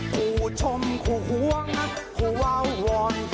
คู่ชมคู่หัวงักคู่วาววอน